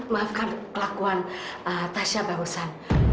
maafkan kelakuan tasya barusan